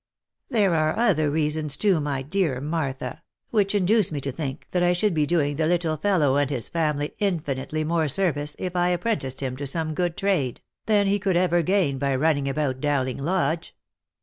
There are other reasons too, my dear Martha, which induce me to think that I should be doing the little fellow and his family infinitely more service if I apprenticed him to some good trade, than he could ever gain by running about Dowling Lodge."